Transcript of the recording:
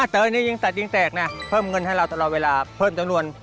เตยนี่ยิงสัตยิงแตกนะเพิ่มเงินให้เราตลอดเวลาเพิ่มจำนวน